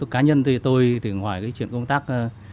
cá nhân tôi thì hỏi chuyện công tác